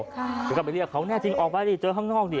หรือก็ไปเรียกเขาแน่จริงออกไปแล้วเจอข้างนอกดิ